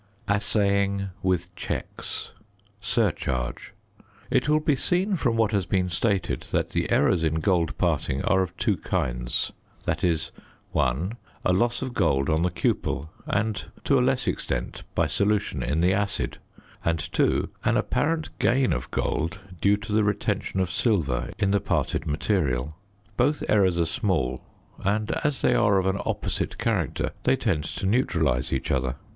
~Assaying with checks. Surcharge.~ It will be seen from what has been stated that the errors in gold parting are of two kinds: viz. (1) a loss of gold on the cupel and to a less extent by solution in the acid, and (2) an apparent gain of gold due to the retention of silver in the parted material. Both errors are small, and as they are of an opposite character they tend to neutralise each other.